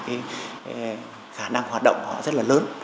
khả năng hoạt động của họ rất là lớn